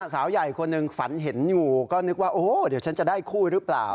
สาวใหญ่คนหนึ่งฝันเห็นอยู่ก็นึกว่าโอ้โหเดี๋ยวฉันจะได้คู่หรือเปล่า